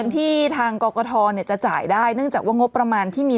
ที่ทางกรกฐจะจ่ายได้เนื่องจากว่างบประมาณที่มี